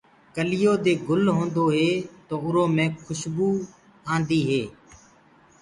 ڪليوٚ دي گُل هوندو هي تو اُرو مي کُسبوُ آندي هي۔